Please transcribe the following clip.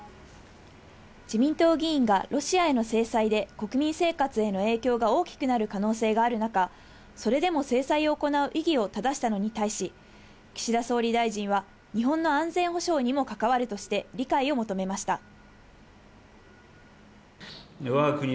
自民党議員がロシアへの制裁で国民生活への影響が大きくなる可能性がある中、それでも制裁を行う意義を質したのに対し、岸田総理大臣は日本の安全保障にも関わるとして理解を求めました。